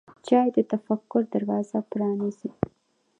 چای د تفکر دروازه پرانیزي.